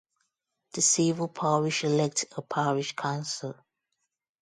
The civil parish elects a parish council.